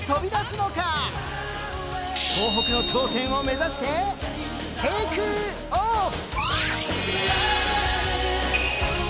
東北の頂点を目指してテイクオフ！